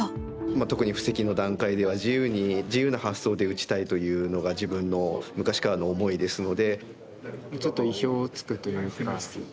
特に布石の段階では自由に自由な発想で打ちたいというのが自分の昔からの思いですので。